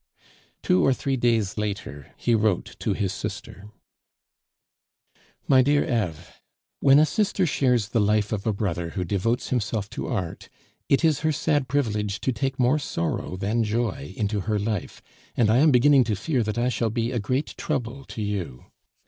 Two or three days later he wrote to his sister: "MY DEAR EVE, When a sister shares the life of a brother who devotes himself to art, it is her sad privilege to take more sorrow than joy into her life; and I am beginning to fear that I shall be a great trouble to you.